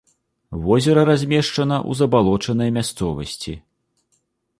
Возера размешчана ў забалочанай мясцовасці.